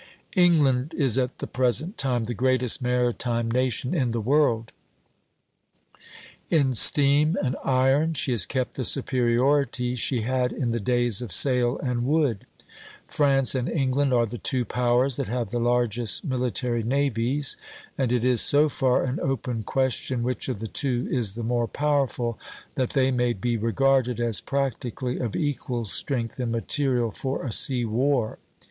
England is at the present time the greatest maritime nation in the world; in steam and iron she has kept the superiority she had in the days of sail and wood. France and England are the two powers that have the largest military navies; and it is so far an open question which of the two is the more powerful, that they may be regarded as practically of equal strength in material for a sea war.